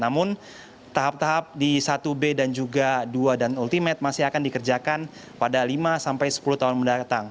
namun tahap tahap di satu b dan juga dua dan ultimate masih akan dikerjakan pada lima sampai sepuluh tahun mendatang